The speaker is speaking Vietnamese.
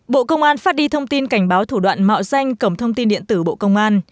bộ công an phát đi thông tin cảnh báo thủ đoạn mạo danh cổng thông tin điện tử bộ công an